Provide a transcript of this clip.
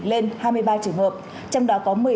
lên hai mươi ba trường hợp trong đó có